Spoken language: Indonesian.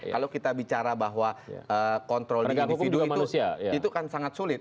kalau kita bicara bahwa kontrol di individu itu kan sangat sulit